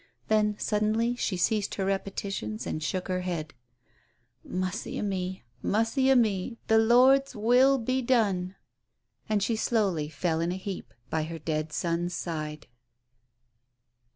Then suddenly she ceased her repetitions and shook her head. "Mussy a me, mussy a me! The Lord's will be done!" And she slowly fell in a heap by her dead son's side.